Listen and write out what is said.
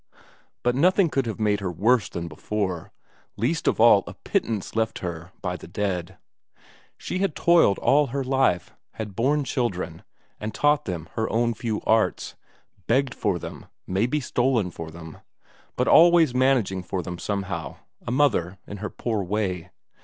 But nothing could have made her worse than before; least of all a pittance left her by the dead. She had toiled all her life, had borne children, and taught them her own few arts; begged for them, maybe stolen for them, but always managing for them somehow a mother in her poor way.